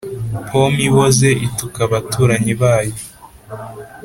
pome iboze ituka abaturanyi bayo.